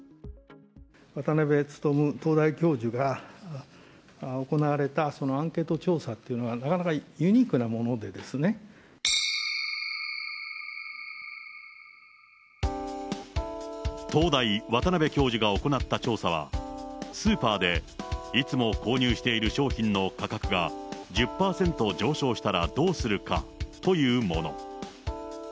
渡辺努東大教授が行われたアンケート調査っていうのは、なか東大、渡辺教授が行った調査は、スーパーでいつも購入している商品の価格が１０％上昇したらどうするか？というもの。